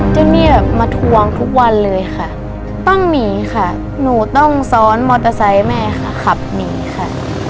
จนมี่แบบมาทวงทุกวันเลยค่ะต้องหนีค่ะหนูต้องซ้อนมอเตอร์ไซค์แม่ค่ะขับหนีค่ะ